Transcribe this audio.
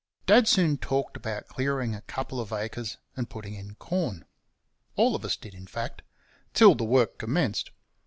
Dad soon talked about clearing a couple of acres and putting in corn all of us did, in fact till the work commenced.